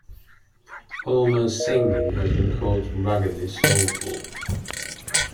Ulmer's singing has been called "raggedly soulful".